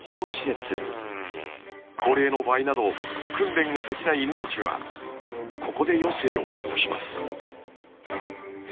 高齢の場合など訓練ができない犬たちはここで余生を過ごします。